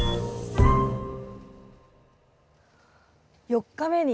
４日目に。